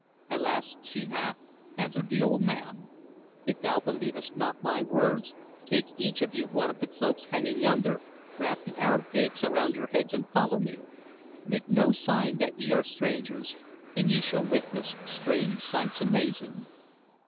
"Alas! she hath," answered the old man. "If thou believest not my words, take each of you one of the cloaks hanging yonder, wrap the Arab haicks around your heads and follow me. Make no sign that ye are strangers, and ye shall witness strange sights amazing."